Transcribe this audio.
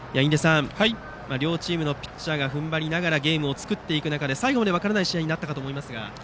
両チームのピッチャーが踏ん張りながらゲームを作っていく中で最後まで分からない試合になったと思います。